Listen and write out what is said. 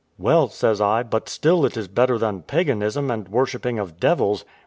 "Well," says I, "but still it is better than paganism, and worshipping of devils."